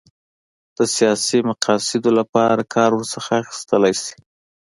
د سیاسي مقاصدو لپاره کار ورڅخه اخیستلای شي.